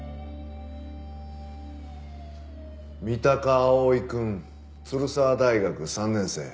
三鷹蒼くん鶴澤大学３年生。